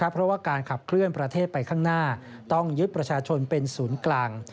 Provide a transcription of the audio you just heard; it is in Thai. เพราะว่าการขับเคลื่อนประเทศไปข้างหน้าต้องยึดประชาชนเป็นศูนย์กลาง